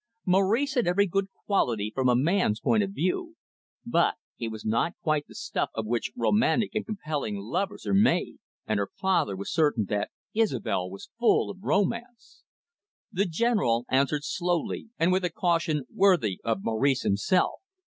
Maurice had every good quality from a man's point of view, but he was not quite the stuff out of which romantic and compelling lovers are made. And her father was certain that Isobel was full of romance. The General answered slowly, and with a caution worthy of Maurice himself.